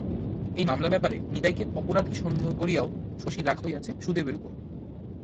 এই মামলার ব্যাপারে নিতাইকে অপরাধী সন্দেহ করিয়াও শশীর রাগ হইয়াছে সুদেবের উপর।